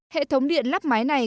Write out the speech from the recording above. hệ thống điện lắp mái này